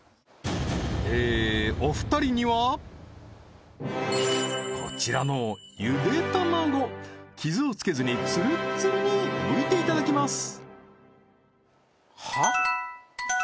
ええーお二人にはこちらのゆで卵傷をつけずにツルッツルにむいていただきます